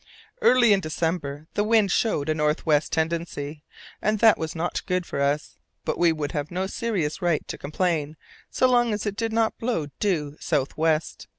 Early in December the wind showed a north west tendency, and that was not good for us, but we would have no serious right to complain so long as it did not blow due south west.